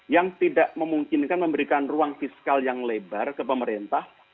yang tidak memungkinkan memberikan ruang fiskal yang lebar ke pemerintah